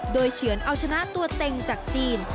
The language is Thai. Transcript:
โดยเฉือนเอาชนะตัวเต็งจากจีน